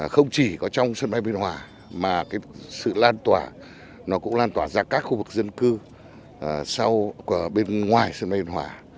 không chỉ có trong sân bay biên hòa mà sự lan tỏa nó cũng lan tỏa ra các khu vực dân cư bên ngoài sân bay biên hòa